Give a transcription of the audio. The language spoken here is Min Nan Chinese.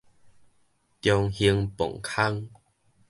中興磅空